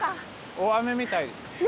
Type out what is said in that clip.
大雨みたいですね。